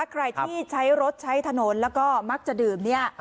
ใครที่ใช้รถใช้ถนนแล้วก็มักจะดื่มเนี่ย